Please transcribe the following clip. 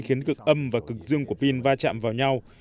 khiến cực âm và cực dương của pin va chạm vào nhau